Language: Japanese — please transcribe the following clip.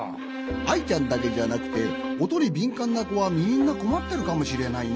アイちゃんだけじゃなくておとにびんかんなこはみんなこまってるかもしれないね。